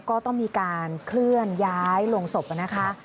ก็ต้องมีการเคลื่อนย้ายลงศพนะคะ